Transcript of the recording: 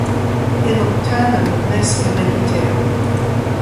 Elle obtint la noblesse héréditaire.